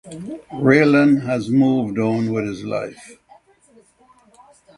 Raylan has moved on with his life.